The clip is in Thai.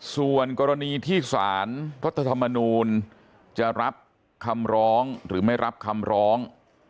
ส่วนกรณีที่สารรัฐธรรมนูลจะรับคำร้องหรือไม่รับคำร้อง